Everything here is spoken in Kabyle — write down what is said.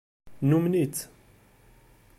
Numen-itt.